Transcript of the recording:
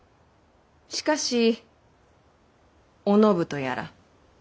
しかしお信とやら。